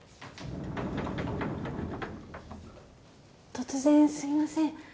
突然すみません。